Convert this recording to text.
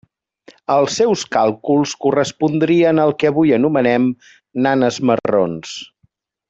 Els seus càlculs correspondrien al que avui anomenem nanes marrons.